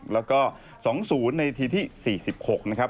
แล้วก็๒๐ในทีที่๔๖นะครับ